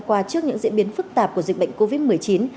và cũng như là hệ thống cấp cứu của tư bệnh viện